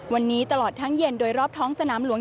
วันนี้ตลอดทั้งเย็นโดยรอบท้องสนามหลวง